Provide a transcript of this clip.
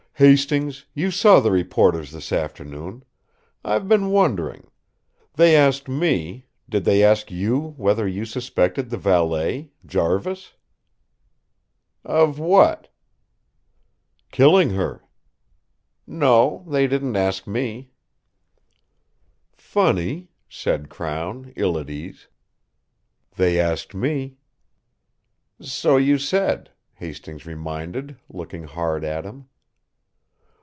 "Hastings, you saw the reporters this afternoon I've been wondering they asked me did they ask you whether you suspected the valet Jarvis?" "Of what?" "Killing her." "No; they didn't ask me." "Funny," said Crown, ill at ease. "They asked me." "So you said," Hastings reminded, looking hard at him.